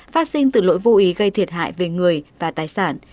phát sinh từ lỗi vô ý gây thiệt hại về người và tài sản